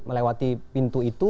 melewati pintu itu